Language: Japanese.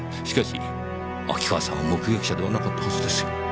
しかし秋川さんは目撃者ではなかったはずですよ。